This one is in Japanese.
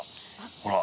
ほら。